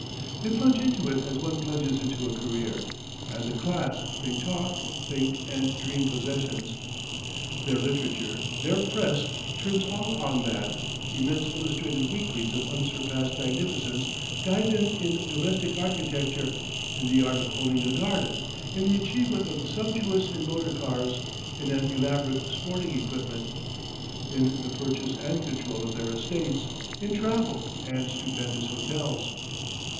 They plunge into it as one plunges into a career; as a class, they talk, think, and dream possessions. Their literature, their Press, turns all on that; immense illustrated weeklies of unsurpassed magnificence guide them in domestic architecture, in the art of owning a garden, in the achievement of the sumptuous in motor cars, in an elaborate sporting equipment, in the purchase and control of their estates, in travel and stupendous hotels.